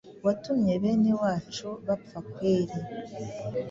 watumye bene wacu bapfa kweli